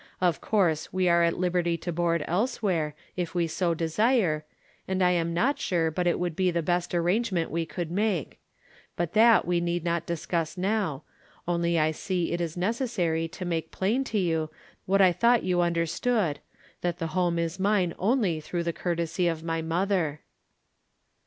Of course we are at liberty to board elsewhere, if we so desire, and I am not sure but it would be the best arrangement we could make : but that we need not discuss now, only I see it is necessary to make plain to you what I thought you under stood, that the home is mine only through the courtesy of my mother."